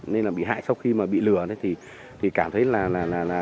nên là bị hại sau khi mà bị lừa thì cảm thấy là